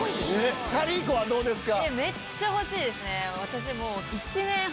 カリー子はどうですか？